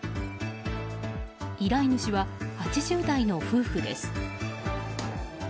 依頼主は８０代の夫婦です。